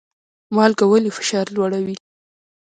مالګه ولې فشار لوړوي؟